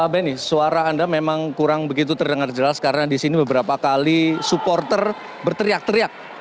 benny suara anda memang kurang begitu terdengar jelas karena di sini beberapa kali supporter berteriak teriak